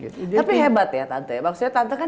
tapi hebat ya tante ya maksudnya tante kan